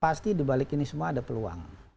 pasti dibalik ini semua ada peluang